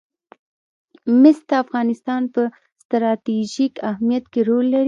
مس د افغانستان په ستراتیژیک اهمیت کې رول لري.